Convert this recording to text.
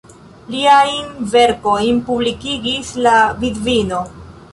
Liajn verkojn publikigis la vidvino.